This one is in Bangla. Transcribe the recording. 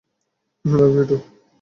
I love you, two.